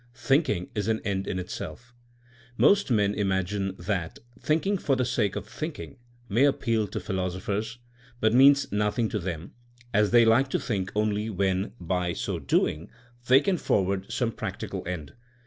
Thinking is an end in itself. Most men imagine that thinking for the sake of thinMng^^ may appeal to philos ophers, but means nothing to them, as they like to think only when by so doing they can for ward some practical end.